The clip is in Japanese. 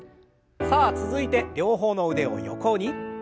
さあ続いて両方の腕を横に。